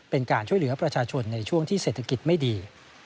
เป็นการช่วยเหลือประชาชนในช่วงที่เศรษฐกิจไม่ดี